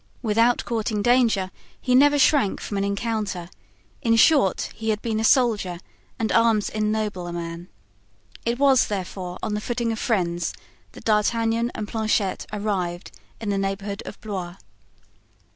Without courting danger he never shrank from an encounter; in short, he had been a soldier and arms ennoble a man; it was, therefore, on the footing of friends that D'Artagnan and Planchet arrived in the neighborhood of Blois.